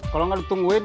kalau gak ditungguin